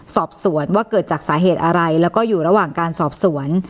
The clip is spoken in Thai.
สอบสวนว่าเกิดจากสาเหตุอะไรแล้วก็อยู่ระหว่างการสอบสวน